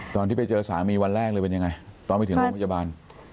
ตอนที่ไปเจอสามีวันแรกเลยเป็นยังไงตอนไปถึงโรงพยาบาล